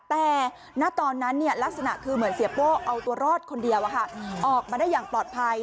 แต่ณตอนนั้นลักษณะคือเหมือนเสียโป้เอาตัวรอดคนเดียวออกมาได้อย่างปลอดภัย